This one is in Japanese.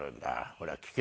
ほら聞け」